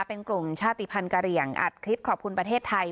เป็นกลุ่มชาติภัณฑ์กะเหลี่ยงอัดคลิปขอบคุณประเทศไทย